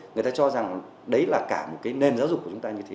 người ta cho rằng đấy là cả một cái nền giáo dục của chúng ta như thế